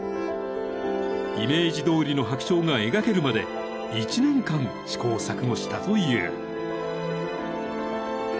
［イメージどおりの白鳥が描けるまで１年間試行錯誤したという］